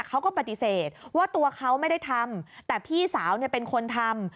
เขาก็ปฏิเสธว่าตัวเขาไม่ได้ทำแต่พี่สาวเป็นคนทำ